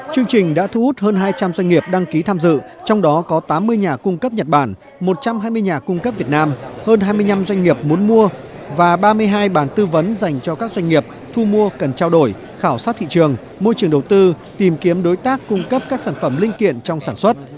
chương trình đã thu hút hơn hai trăm linh doanh nghiệp đăng ký tham dự trong đó có tám mươi nhà cung cấp nhật bản một trăm hai mươi nhà cung cấp việt nam hơn hai mươi năm doanh nghiệp muốn mua và ba mươi hai bàn tư vấn dành cho các doanh nghiệp thu mua cần trao đổi khảo sát thị trường môi trường đầu tư tìm kiếm đối tác cung cấp các sản phẩm linh kiện trong sản xuất